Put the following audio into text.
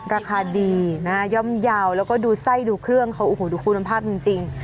ราคาดีนะย่อมเยาว์แล้วก็ดูไส้ดูเครื่องเขาโอ้โหดูคุณภาพจริง